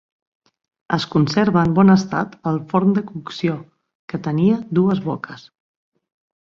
Es conserva en bon estat el forn de cocció, que tenia dues boques.